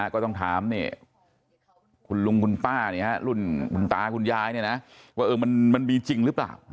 ก็ต้องถามคุณลุงคุณป้ารุ่นคุณตาคุณยายว่ามันมีจริงหรือเปล่า